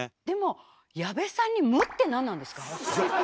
でも矢部さんに無って何なんですか？